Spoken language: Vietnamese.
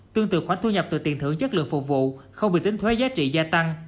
tương tự khoản thu nhập từ tiền thưởng chất lượng phục vụ không bị tính thuế giá trị gia tăng